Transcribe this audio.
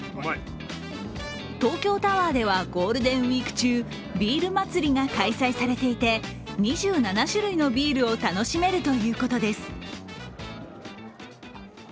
東京タワーではゴールデンウイーク中、ビール祭が開催されていて、２７種類のビールを楽しめるということです。